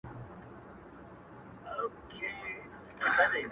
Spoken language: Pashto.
دا نن يې لا سور ټپ دی د امير پر مخ گنډلی،